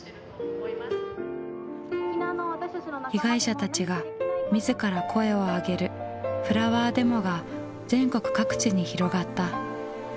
被害者たちが自ら声をあげるフラワーデモが全国各地に広がった。